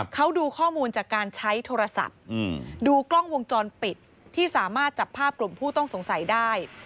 เขาดูข้อมูลจากการใช้โทรศัพท์ดูกล้องวงจรปิดที่สามารถจับภาพกลุ่มผู้ต้องสงสัยได้